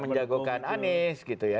menjagokan anies gitu ya